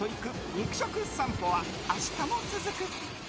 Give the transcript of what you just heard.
肉食さんぽは、明日も続く！